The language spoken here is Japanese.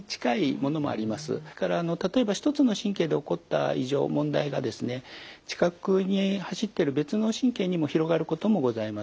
それから例えば一つの神経で起こった異常問題がですね近くに走ってる別の神経にも広がることもございます。